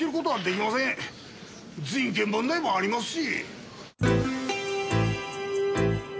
人権問題もありますし。